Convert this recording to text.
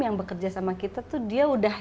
yang bekerja sama kita tuh dia udah